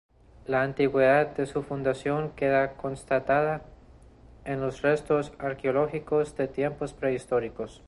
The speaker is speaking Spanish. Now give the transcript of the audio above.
La antigüedad de su fundación queda constatada en los restos arqueológicos de tiempos prehistóricos.